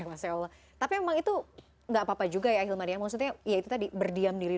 masya allah tapi emang itu enggak apa apa juga ya hilmar yang maksudnya yaitu tadi berdiam diri